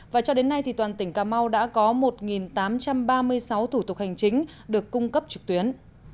và cho đến nay thì toàn tỉnh cà mau đã có một tám trăm ba mươi sáu thủ tục hành chính được cung cấp trực tuyến